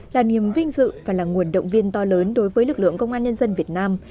là niềm vinh dự và là nguồn động viên to lớn đối với lực lượng công an nhân dân việt nam